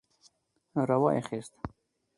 را وايي خيست.